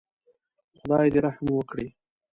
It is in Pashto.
خدای دې رحم وکړي.